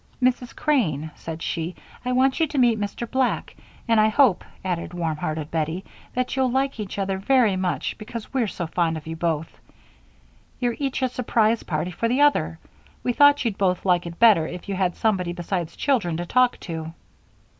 "Mrs. Crane," said she, "I want you to meet Mr. Black, and I hope," added warm hearted Bettie, "that you'll like each other very much because we're so fond of you both. You're each a surprise party for the other we thought you'd both like it better if you had somebody besides children to talk to."